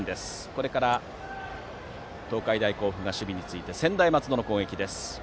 これから東海大甲府が守備について専大松戸の攻撃です。